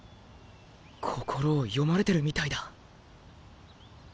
心を読まれてるみたいだ。